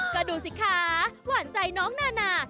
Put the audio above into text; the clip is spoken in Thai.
ก็ดูสิคะหวานใจน้องนานา